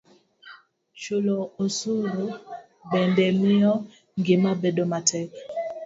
Chulo osuru bende miyo ngima bedo matek